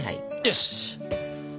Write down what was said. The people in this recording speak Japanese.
よし！